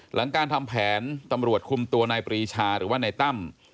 หลังการทำแผนตำรวจคุมตัวนายปรีชาหรือว่านายตั้ม